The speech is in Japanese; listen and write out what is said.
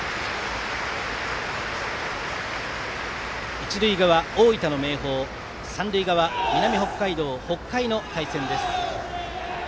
一塁側、大分の明豊三塁側、南北海道北海の対戦です。